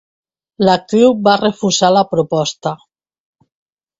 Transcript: L'actriu va refusar la proposta.